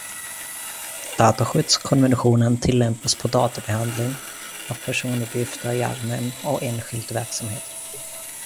Dataskyddskonventionen tillämpas på databehandling av personuppgifter i allmän och enskild verksamhet.